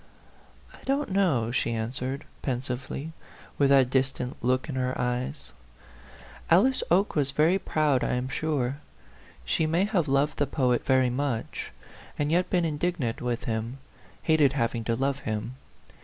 " I don't know," she answered, pensively, with that distant look in her eyes. "Alice 53 A PHANTOM LOVER. Oke was very proud, I am sure. She may have loved the poet very much, and yet been indignant with him, hated having to love him.